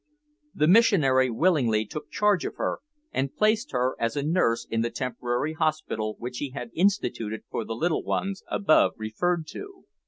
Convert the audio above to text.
The missionary willingly took charge of her, and placed her as a nurse in the temporary hospital which he had instituted for the little ones above referred to.